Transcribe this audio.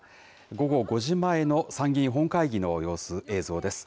午後５時前の参議院本会議の様子、映像です。